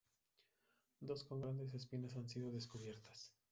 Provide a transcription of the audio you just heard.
Dos con grandes espinas han sido descubiertas.